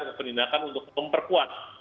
ke penindakan untuk memperkuat